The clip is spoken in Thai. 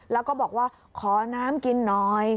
แล้วก็บอกว่าขอน้ำกินหน่อย